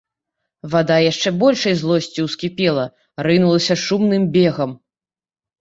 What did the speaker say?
Вада яшчэ большай злосцю ўскіпела, рынулася шумным бегам.